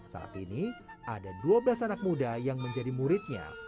saat ini ada dua belas anak muda yang menjadi muridnya